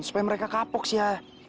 supaya mereka kapok sih ya